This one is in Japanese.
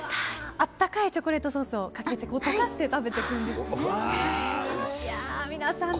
温かいチョコレートソースをかけて溶かして食べていくんですね。